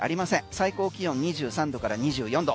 最高気温２３度から２４度。